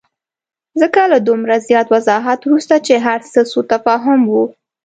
ځکه له دومره زیات وضاحت وروسته چې هرڅه سوءتفاهم وو.